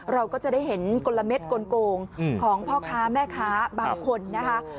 เราก็จะได้เห็นกลมเด็ดกลงของพ่อค้าแม่ค้าบางคนนะคะ